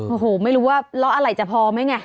โอ้โหไม่รู้ว่าล้ออะไรจะพอไหมไง